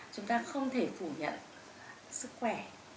chúng ta không thể phủ nhận sức khỏe